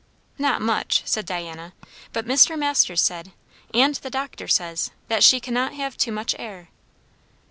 "Not much," said Diana; "but Mr. Masters said, and the doctor says, that she cannot have too much air."